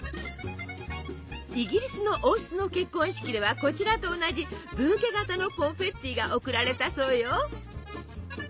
イギリスの王室の結婚式ではこちらと同じブーケ形のコンフェッティが贈られたそうよ。